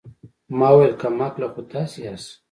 ما وويل کم عقله خو تاسې ياست.